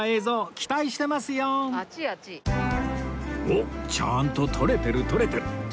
おっちゃんと撮れてる撮れてる